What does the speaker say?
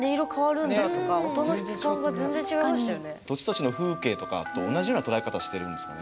土地土地の風景とかと同じような捉え方してるんですかね。